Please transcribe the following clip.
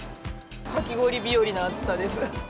かき氷日和の暑さです。